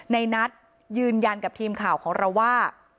ในนัทยืนยันกับทีมข่าวของเราว่า